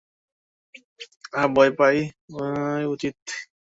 হ্যাঁ, ভয় পাওয়াই উচিত!